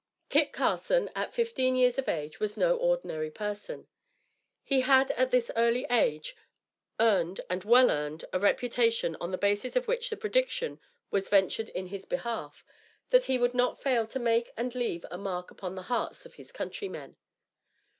Kit Carson, at fifteen years of age, was no ordinary person. He had at this early age earned, and well earned, a reputation, on the basis of which the prediction was ventured in his behalf, that he would not fail to make and leave a mark upon the hearts of his countrymen.